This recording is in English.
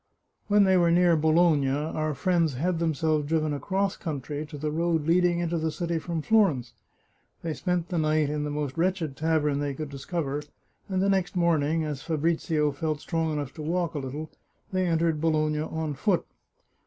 When they were near Bologna, our friends had themselves driven across country, to the road leading into the city from Florence. They spent the night in the most wretched tavern they could discover, and the next morning, as Fabrizio felt strong enough to walk a little, they entered Bologna on foot.